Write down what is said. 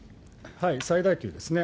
最大級ですね。